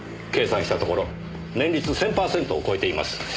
計算したところ年率１０００パーセントを超えています。